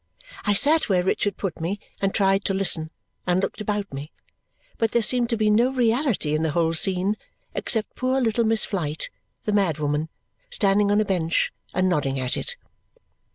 I sat where Richard put me, and tried to listen, and looked about me; but there seemed to be no reality in the whole scene except poor little Miss Flite, the madwoman, standing on a bench and nodding at it.